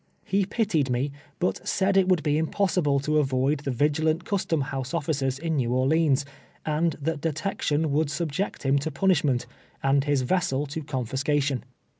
lie pitied me, but said it would be im possible to avoid the vigilant custom bouse officers in iS^ew Orleans, and tliat detection would subject liim to punisbment, and bis vessel to confiscation.